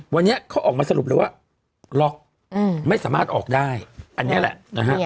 วันนี้เขาออกมาสรุปเลยว่าล็อกไม่สามารถออกได้อันนี้แหละนะฮะ